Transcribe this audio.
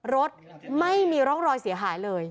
รถไม่มีร่องรอยเสียหายเลย